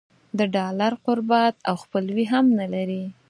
د ډالر قربت او خپلوي هم نه لري.